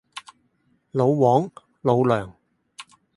老黃，老梁